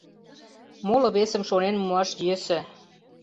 Моло-весым шонен муаш йӧсӧ...